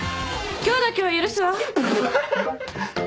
今日だけは許すわ。